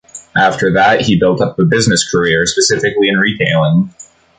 After that he built up a business career, specifically in retailing.